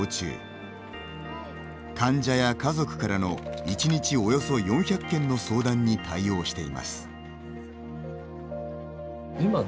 患者や家族からの１日およそ４００件の相談に対応しています。